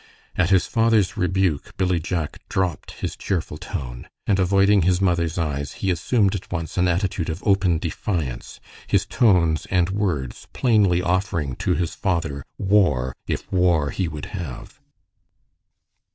At his father's rebuke Billy Jack dropped his cheerful tone, and avoiding his mother's eyes, he assumed at once an attitude of open defiance, his tones and words plainly offering to his father war, if war he would have.